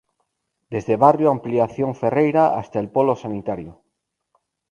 Desde barrio Ampliación Ferreyra hasta el Polo Sanitario.